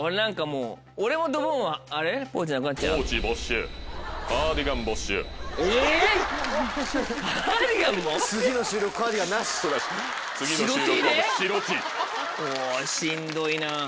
もうしんどいな。